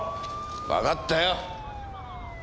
わかったよ。